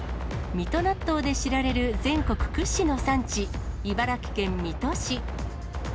水戸納豆で知られる全国屈指の産地、茨城県水戸市。